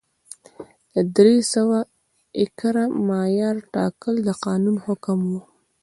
د درې سوه ایکره معیار ټاکل د قانون حکم و.